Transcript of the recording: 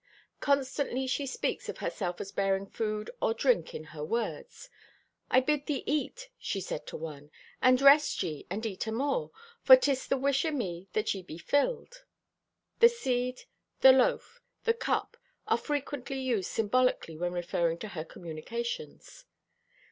Constantly she speaks of herself as bearing food or drink in her words. "I bid thee eat," she said to one, "and rest ye, and eat amore, for 'tis the wish o' me that ye be filled." The seed, the loaf, the cup, are frequently used symbolically when referring to her communications.